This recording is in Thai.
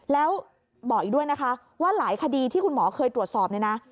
แล้วบอกอีกด้วยนะคะว่าหลายคดีที่คุณหมอเคยตรวจสอบเนี่ยนะ